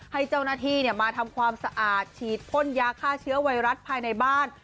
ให้เจ้าหน้าที่มาทำความสะอาดฉีดพ่นยาฆ่าเชื้อไวรัสภายในบ้าน